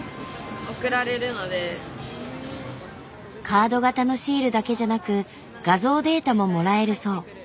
カード型のシールだけじゃなく画像データももらえるそう。